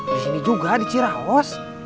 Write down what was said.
di sini juga di cirawas